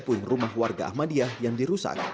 puing rumah warga ahmadiyah yang dirusak